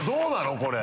これ。